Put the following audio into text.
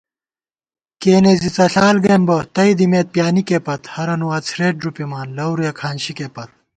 کېنے زی څݪال گَئیم بہ، تئ دِمېت پیانِکےپت * ہرَنُو اڅَھرېت ݫُپِمان لَورُیَہ کھانشِکےپت